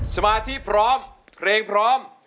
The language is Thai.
สมาธิพร้อมเพลงพร้อม